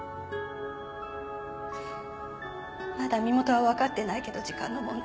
まだ身元は分かってないけど時間の問題